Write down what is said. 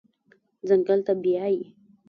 ځنګل ته بیایي